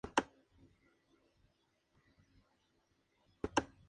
El impreso de la solicitud se podrá obtener en la web www.sepe.es.